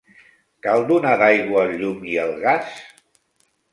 Cal donar d'aigua el llum i el gas?